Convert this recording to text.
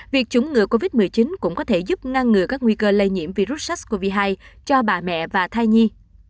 việc chủng ngừa covid một mươi chín cũng có thể giúp ngăn ngừa các nguy cơ lây nhiễm virus sars cov hai cho bà mẹ và thai nhi